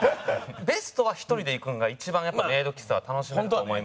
ベストは１人で行くのが一番やっぱメイド喫茶は楽しめると思いますね。